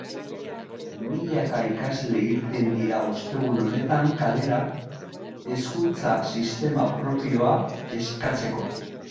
Milaka ikasle irten dira ostegun honetan kalera, hezkuntza sistema propioa eskatzeko.